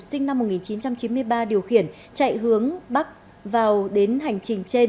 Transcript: sinh năm một nghìn chín trăm chín mươi ba điều khiển chạy hướng bắc vào đến hành trình trên